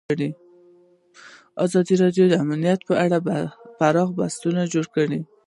ازادي راډیو د امنیت په اړه پراخ بحثونه جوړ کړي.